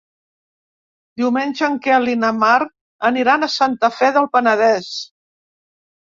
Diumenge en Quel i na Mar aniran a Santa Fe del Penedès.